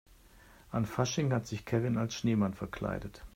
An Fasching hat sich Kevin als Schneemann verkleidet.